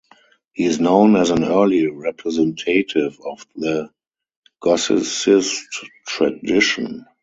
He is known as an early representative of the Gothicist tradition.